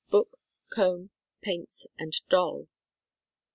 Book, comb, paints, and doll.